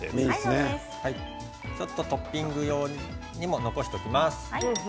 ちょっとトッピング用にも残しておきます。